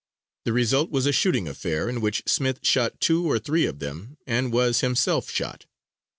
The result was a shooting affair, in which Smith shot two or three of them and was himself shot.